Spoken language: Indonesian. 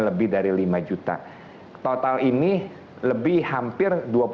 lebih dari lima juta total ini lebih hampir